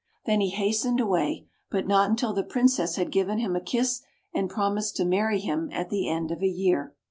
Then he hastened away, but not until the Princess had given him a kiss and promised to marry him at the end of a year.